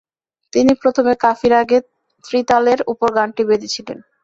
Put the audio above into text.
তিনি প্রথমে কাফি রাগে ত্রিতালের উপর গানটি বেঁধেছিলেন।